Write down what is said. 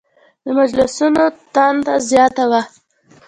د مجلسونو تنده زیاته وه.